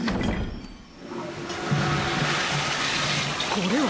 これは。